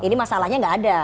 ini masalahnya tidak ada